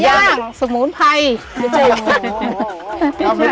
หนึ่งสองซ้ำยาดมนุษย์ป้า